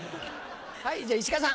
はいじゃあ石川さん。